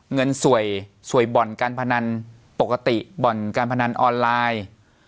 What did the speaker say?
เงินสวยสวยบ่อนการพนันปกติบ่อนการพนันออนไลน์